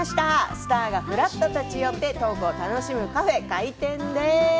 スターがふらっと立ち寄ってトークを楽しむカフェ、開店です。